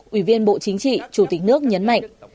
ủy viên bộ chính trị chủ tịch nước nhấn mạnh